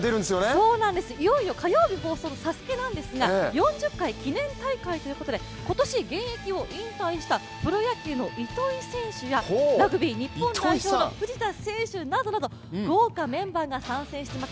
そうなんです、いよいよ火曜日放送のＳＡＳＵＫＥなんですが４０回記念大会ということで、今年現役を引退したプロ野球の糸井選手やラグビー日本代表の藤田選手などなど豪華メンバーが参戦します。